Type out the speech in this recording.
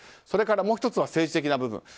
それから、もう１つは政治的な部分。